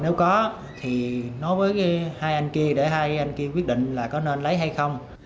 nếu có thì nói với hai anh kia để hai anh kia quyết định là có nên lấy hay không